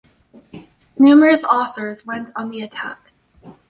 Numerous authors went on the attack.